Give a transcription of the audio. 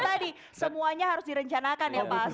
itu tadi semuanya harus direncanakan ya pak rasto